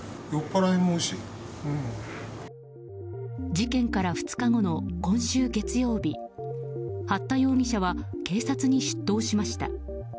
事件から２日後の今週月曜日八田容疑者は警察に出頭しました。